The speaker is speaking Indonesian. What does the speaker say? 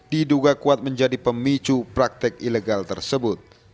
diduga kuat menjadi pemicu praktek ilegal tersebut